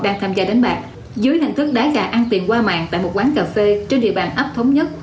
đang tham gia đánh bạc dưới hình thức đá gà ăn tiền qua mạng tại một quán cà phê trên địa bàn ấp thống nhất